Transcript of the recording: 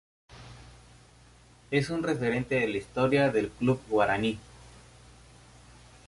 Es un referente de la historia del Club Guaraní.